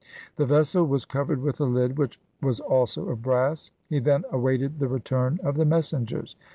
The vessel was covered with a lid, which was also of brass. He then awaited the return of the messengers.